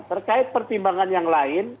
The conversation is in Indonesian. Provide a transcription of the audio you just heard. terkait pertimbangan yang lain